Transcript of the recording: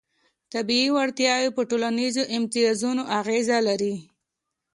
طبیعي وړتیاوې په ټولنیزو امتیازونو اغېز لري.